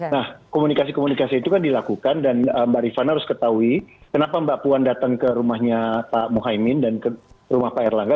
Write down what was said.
nah komunikasi komunikasi itu kan dilakukan dan mbak rifana harus ketahui kenapa mbak puan datang ke rumahnya pak muhaymin dan ke rumah pak erlangga